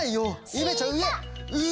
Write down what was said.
ゆめちゃんうえ！